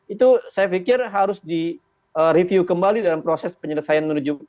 itu saya pikir harus direview kembali dalam proses penyelesaian menuju